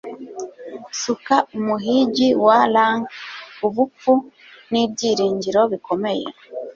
Suka umuhigi wa lank ubupfu n'ibyiringiro bikomeye.